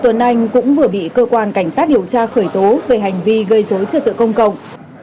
tuấn anh cũng vừa bị cơ quan cảnh sát điều tra khởi tố về hành vi gây dối trật tự công cộng